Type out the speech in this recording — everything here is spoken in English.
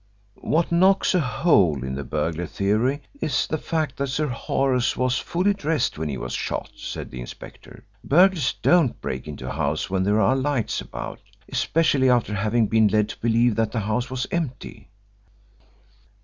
"What knocks a hole in the burglar theory is the fact that Sir Horace was fully dressed when he was shot," said the inspector. "Burglars don't break into a house when there are lights about, especially after having been led to believe that the house was empty."